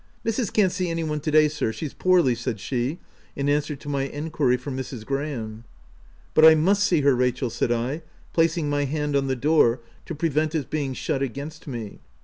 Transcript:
" Misses can't see any one to day, sir — she's poorly," said she in answer to my enquiry for Mrs. Graham. " But I must see her, Rachel," said I, placing my hand on the door to prevent its being shut against me.